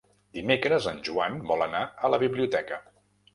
Dimecres en Joan vol anar a la biblioteca.